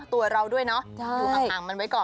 ตัวเราด้วยนะอ่างมันไว้ก่อน